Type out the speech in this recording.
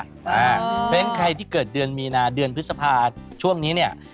เพราะฉะนั้นใครที่เกิดเดือนมีนาเดือนพฤษภาช่วงนี้เนี่ย